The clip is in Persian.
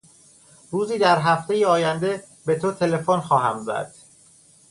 روزی در هفتهی آینده به تو تلفن خواهم زد.